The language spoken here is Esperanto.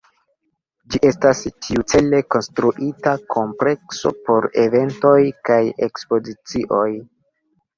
Ĝi estas tiucele konstruita komplekso por eventoj kaj ekspozicioj.